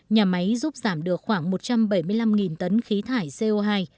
nhà máy giúp giảm được khoảng một trăm bảy mươi năm tấn khí thải co hai